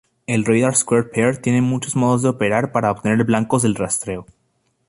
El "radar Square Pair" tiene muchos modos de operar para obtener blancos del rastreo.